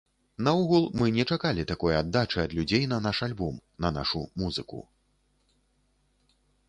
Наогул, мы не чакалі такой аддачы ад людзей на наш альбом, на нашу музыку.